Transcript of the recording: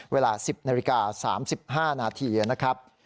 เวลา๑๐นาฬิกา๓๕นาทีนะครับ